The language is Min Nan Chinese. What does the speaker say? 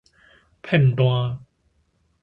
片段